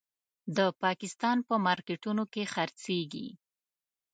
د پاکستان په مارکېټونو کې خرڅېږي.